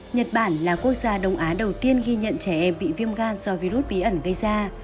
nhật bản là quốc gia đông á đầu tiên ghi nhận trẻ em bị viêm gan do virus bí ẩn gây ra